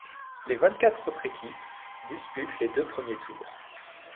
Les vingt-quatre autres équipes disputent les deux premiers tours.